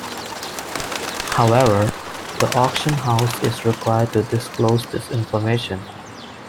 However, the auction house is required to disclose this information.